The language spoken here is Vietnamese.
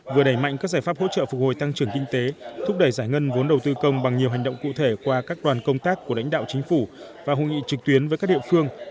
vừa đẩy mạnh các giải pháp hỗ trợ phục hồi tăng trưởng kinh tế thúc đẩy giải ngân vốn đầu tư công bằng nhiều hành động cụ thể qua các đoàn công tác của đánh đạo chính phủ và hội nghị trực tuyến với các địa phương